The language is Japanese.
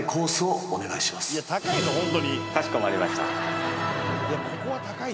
かしこまりました。